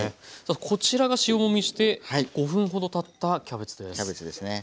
こちらが塩もみして５分ほどたったキャベツです。